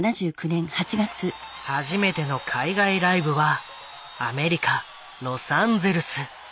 初めての海外ライブはアメリカ・ロサンゼルス。